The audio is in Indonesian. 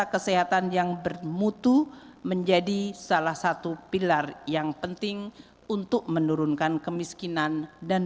kesehatan yang bermutu menjadi salah satu pilar yang penting untuk menurunkan kemiskinan dan